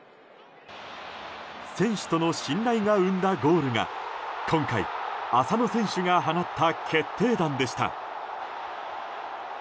選手との信頼が生んだゴールが今回、浅野選手が放った決定弾でした。